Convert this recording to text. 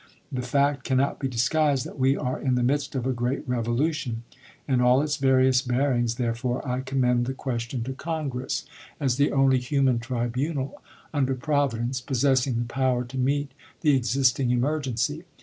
The fact cannot be dis guised that we are in the midst of a great revolution. In all its various bearings, therefore, I commend the question THE CABINET REGIME 79 to Congress, as the only human tribunal, under Providence, chap. vi. possessing the power to meet the existing emergency.